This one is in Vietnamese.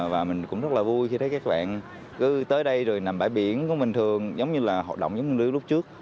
và mình cũng rất là vui khi thấy các bạn cứ tới đây rồi nằm bãi biển của mình thường giống như là họ động giống như lúc trước